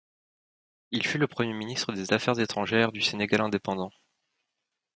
Il fut le premier ministre des Affaires étrangères du Sénégal indépendant.